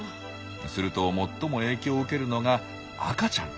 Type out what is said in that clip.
すると最も影響を受けるのが赤ちゃん。